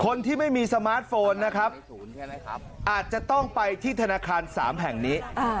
คนที่ไม่มีสมาร์ทโฟนนะครับอาจจะต้องไปที่ธนาคาร๓แห่งนี้